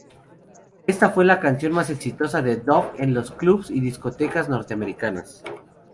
Esta fue la canción más exitosa de Duff en los clubs y discotecas norteamericanas.